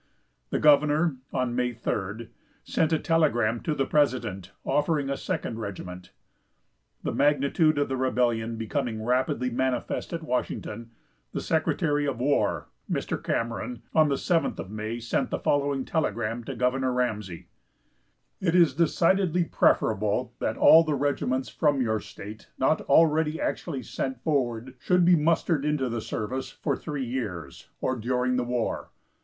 The governor, on May 3d, sent a telegram to the president, offering a second regiment. The magnitude of the rebellion becoming rapidly manifest at Washington, the secretary of war, Mr. Cameron, on the 7th of May, sent the following telegram to Governor Ramsey: "It is decidedly preferable that all the regiments from your state not already actually sent forward should be mustered into the service for three years, or during the war.